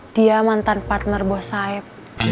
dia mantan partner bos saeb